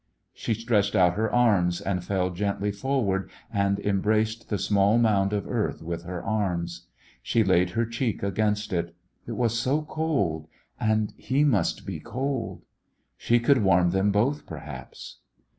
She stretched out her arms and feU gently forward, and embraced the small mound of earth with her arms. She laid her cheek against it; it was so cold, and he must be cold. She could warm them both, perhaps!